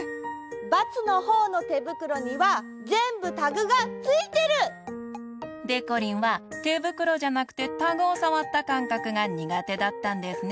バツのほうのてぶくろにはぜんぶタグがついてる！でこりんはてぶくろじゃなくてタグをさわったかんかくがにがてだったんですね。